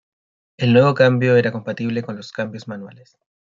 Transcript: El nuevo cambio era compatible con los cambios manuales.